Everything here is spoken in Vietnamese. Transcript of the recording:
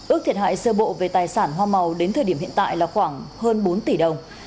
ước thiệt hại sơ bộ về tài sản hoa màu đến thời điểm hiện tại là khoảng hơn bốn tỷ đồng